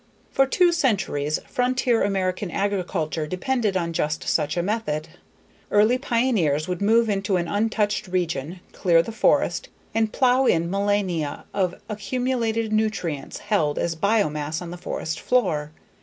For two centuries, frontier American agriculture depended on just such a method. Early pioneers would move into an untouched region, clear the forest, and plow in millennia of accumulated nutrients held as biomass on the forest floor.